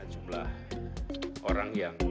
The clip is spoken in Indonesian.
jumlah orang yang